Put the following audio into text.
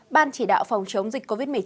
ban chỉ đạo phòng chống dịch covid một mươi chín